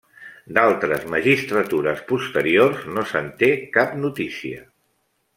D'altres magistratures posteriors no se'n té cap notícia.